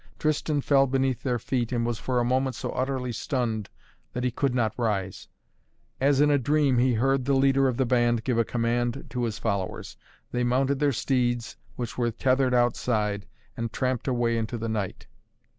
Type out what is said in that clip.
Tristan fell beneath their feet and was for a moment so utterly stunned that he could not rise. As in a dream he heard the leader of the band give a command to his followers. They mounted their steeds which were tethered outside and tramped away into the night.